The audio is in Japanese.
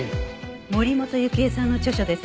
森本雪絵さんの著書です。